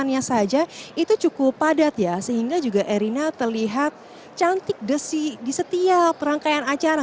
hanya saja itu cukup padat ya sehingga juga erina terlihat cantik desi di setiap rangkaian acara